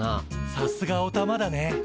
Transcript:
さすがおたまだね。